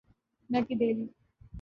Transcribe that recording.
نہ کہ دہلی۔